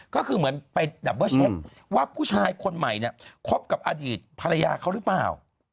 ก็คือเหมือนไปดับเบอร์เช็คว่าผู้ชายคนใหม่เนี่ยคบกับอดีตภรรยาเขาหรือเปล่า